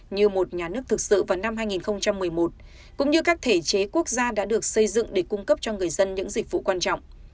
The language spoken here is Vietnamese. như một nhà nước thực sự vào năm hai nghìn một mươi một cũng như các thể chế quốc gia đã được xây dựng để cung cấp cho người dân những dịch vụ quan trọng